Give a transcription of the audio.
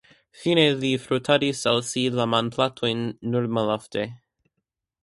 Fine li frotadis al si la manplatojn nur malofte.